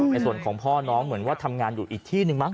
ในส่วนของพ่อน้องเหมือนว่าทำงานอยู่อีกที่หนึ่งมั้